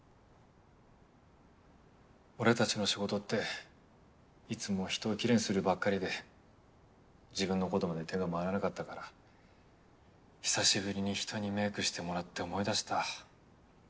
俺たちの仕事っていつも人をキレイにするばっかりで自分のことまで手が回らなかったから久しぶりに人にメイクしてもらって思い出した。